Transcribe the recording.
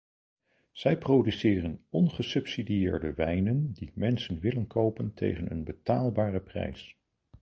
Zij produceren ongesubsidieerde wijnen die mensen willen kopen tegen een betaalbare prijs.